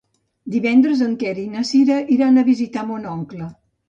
Divendres en Quer i na Cira iran a visitar mon oncle.